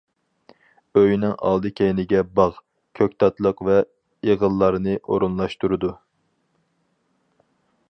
ئۆينىڭ ئالدى-كەينىگە باغ، كۆكتاتلىق ۋە ئېغىللارنى ئورۇنلاشتۇرىدۇ.